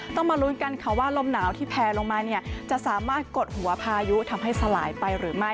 มาลุ้นกันค่ะว่าลมหนาวที่แพลลงมาเนี่ยจะสามารถกดหัวพายุทำให้สลายไปหรือไม่